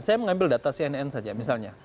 saya mengambil data cnn saja misalnya